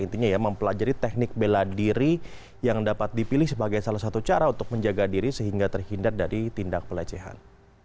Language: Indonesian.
intinya ya mempelajari teknik bela diri yang dapat dipilih sebagai salah satu cara untuk menjaga diri sehingga terhindar dari tindak pelecehan